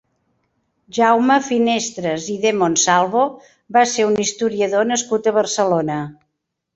Jaume Finestres i de Monsalvo va ser un historiador nascut a Barcelona.